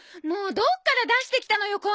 もうどっから出してきたのよ